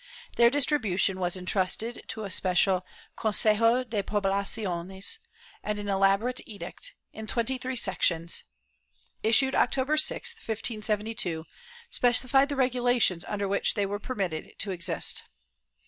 ^ Their distribution was entrusted to a special Consejo de Pohlaciones, and an elaborate edict, in twenty three sections, issued October 6, 1572, specified the regulations under which they were permitted to exist.